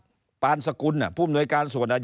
ท่านบอกว่าไม่สามารถที่จะส่งหนังสือไปถึงประเทศกัมพูชาได้